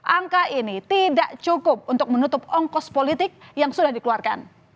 angka ini tidak cukup untuk menutup ongkos politik yang sudah dikeluarkan